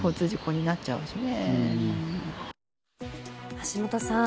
橋下さん